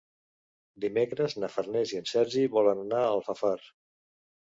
Dimecres na Farners i en Sergi volen anar a Alfafar.